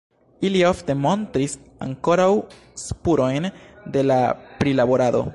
Ili ofte montris ankoraŭ spurojn de la prilaborado.